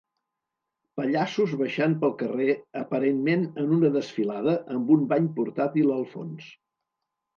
Pallassos baixant pel carrer aparentment en una desfilada amb un bany portàtil al fons